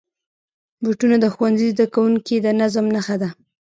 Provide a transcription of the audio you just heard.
بوټونه د ښوونځي زدهکوونکو د نظم نښه ده.